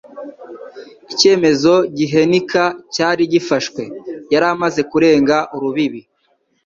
icyemezo gihenika cyari gifashwe. Yari amaze kurenga urubibi